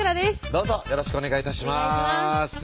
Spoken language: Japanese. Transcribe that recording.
どうぞよろしくお願い致します